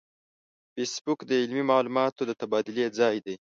فېسبوک د علمي معلوماتو د تبادلې ځای دی